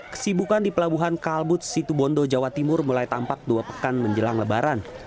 kesibukan di pelabuhan kalbut situbondo jawa timur mulai tampak dua pekan menjelang lebaran